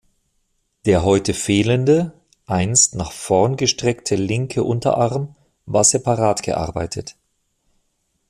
Der heute fehlende, einst nach vorn gestreckte linke Unterarm war separat gearbeitet.